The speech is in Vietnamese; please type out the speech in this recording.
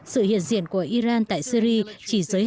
sự hiện diện của iran tại syri chỉ giới